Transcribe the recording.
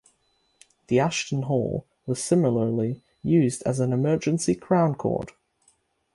The Ashton Hall was similarly used as an emergency Crown Court.